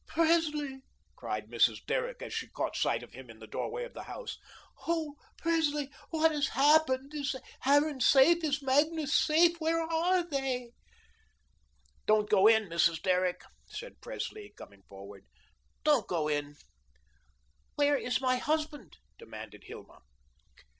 "Presley," cried Mrs. Derrick, as she caught sight of him in the doorway of the house, "oh, Presley, what has happened? Is Harran safe? Is Magnus safe? Where are they?" "Don't go in, Mrs. Derrick," said Presley, coming forward, "don't go in." "Where is my husband?" demanded Hilma.